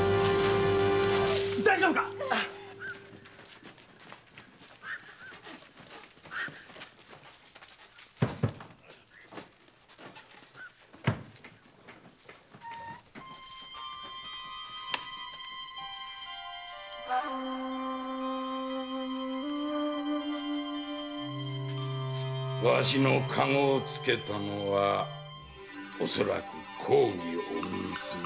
大丈夫か⁉わしの駕籠をつけたのは恐らく公儀隠密の類い！